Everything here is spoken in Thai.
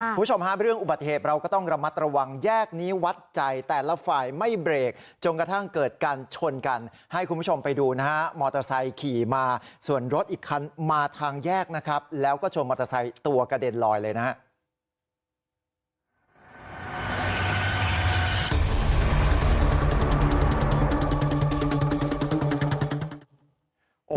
คุณผู้ชมฮะเรื่องอุบัติเหตุเราก็ต้องระมัดระวังแยกนี้วัดใจแต่ละฝ่ายไม่เบรกจนกระทั่งเกิดการชนกันให้คุณผู้ชมไปดูนะฮะมอเตอร์ไซค์ขี่มาส่วนรถอีกคันมาทางแยกนะครับแล้วก็ชนมอเตอร์ไซค์ตัวกระเด็นลอยเลยนะครับ